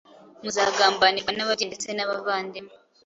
Muzagambanirwa n’ababyeyi ndetse n’abavandimwe,